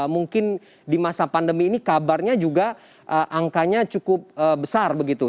mungkin di masa pandemi ini kabarnya juga angkanya cukup besar begitu